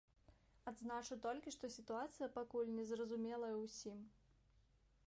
Адзначу толькі, што сітуацыя пакуль незразумелая ўсім.